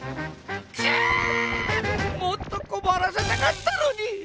もっとこまらせたかったのに！